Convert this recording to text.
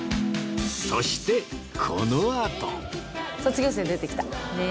そしてこのあと卒業生出てきた。